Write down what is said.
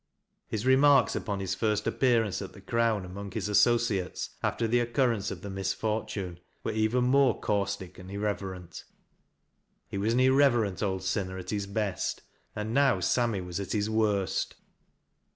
His remarks iipon his iirst appearance at The Crown among his associates, after the occurrence of the misfor tune, were even more caustic and irreverent. He was an irreverent old sinner at his best, and now Sammy was at his worst.